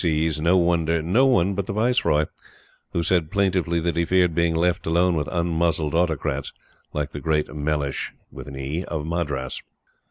C.'s, no Wonder, no one but the Viceroy, who said plaintively that he feared being left alone with unmuzzled autocrats like the great Mellishe of Madras.